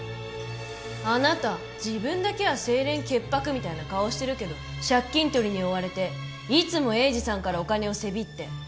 あなた自分だけは清廉潔白みたいな顔してるけど借金とりに追われていつも栄治さんからお金をせびって。